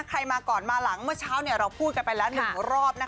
ใครมาก่อนมาหลังเมื่อเช้าเราพูดกันไปแล้ว๑รอบ